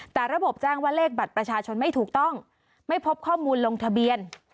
แต่ระบบแจ้งว่าเลขบัตรประชาชนไม่ถูกต้องไม่พบข้อมูลลงทะเบียน